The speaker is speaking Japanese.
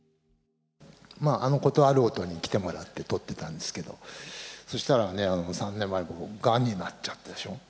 まあ、事あるごとに来てもらって、撮ってたんですけど、そしたら、３年前、がんになっちゃったでしょ。